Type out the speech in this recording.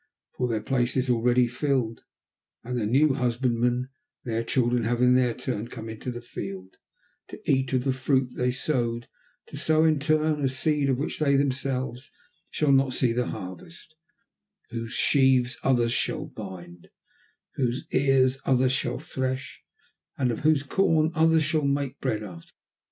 For their place is already filled, and the new husbandmen, their children, have in their turn come into the field, to eat of the fruit they sowed, to sow in turn a seed of which they themselves shall not see the harvest, whose sheaves others shall bind, whose ears others shall thresh, and of whose corn others shall make bread after them.